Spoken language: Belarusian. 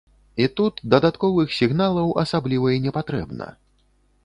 І тут дадатковых сігналаў асабліва і не патрэбна.